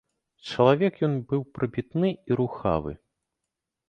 Чалавек ён быў прабітны і рухавы.